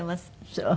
そう。